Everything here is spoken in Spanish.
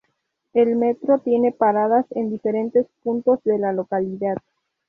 El metro tiene paradas en diferentes puntos de la localidad.